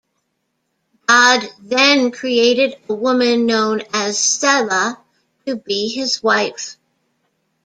God then created a woman known as Sela to be his wife.